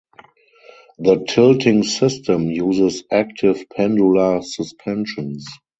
The tilting system uses active pendular suspensions.